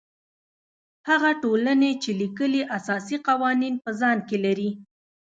هغه ټولنې چې لیکلي اساسي قوانین په ځان کې لري.